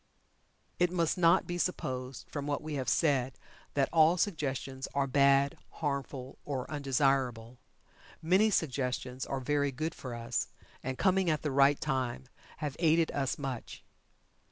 It must not be supposed from what we have said that all suggestions are "bad," harmful, or undesirable. Many suggestions are very good for us, and coming at the right time have aided us much.